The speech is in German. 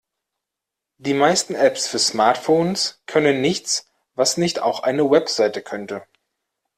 Die meisten Apps für Smartphones können nichts, was nicht auch eine Website könnte.